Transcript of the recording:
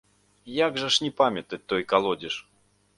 Як жа ж не памятаць той калодзеж?